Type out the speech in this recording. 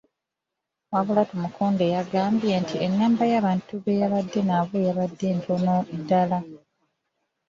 Wabula Tumukunde yagambye nti ennamba y'abantu be yabadde nabo yabadde ntono ddala .